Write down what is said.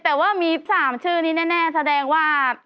แต่ว่ามี๓ชื่อนี้แน่แสดงว่า